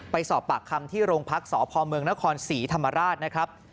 ไปสอบปากคำที่โรงพักษ์สพเมืองนครศรีธรรมราชนะครับ